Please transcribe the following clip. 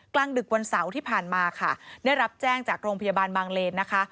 กลางดึกวันเสาร์ที่ผ่านมาค่ะได้รับแจ้งจากโรงพยาบาลบางเลนนะคะ